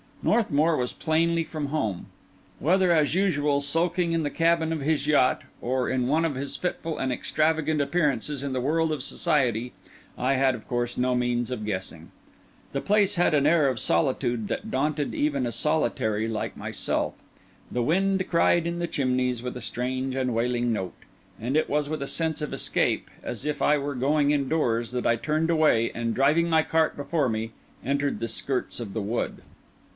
Northmour was plainly from home; whether, as usual, sulking in the cabin of his yacht, or in one of his fitful and extravagant appearances in the world of society, I had, of course, no means of guessing. The place had an air of solitude that daunted even a solitary like myself; the wind cried in the chimneys with a strange and wailing note; and it was with a sense of escape, as if I were going indoors, that I turned away and, driving my cart before me, entered the skirts of the wood.